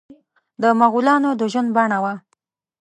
د مغولانو د ژوند بڼه وه.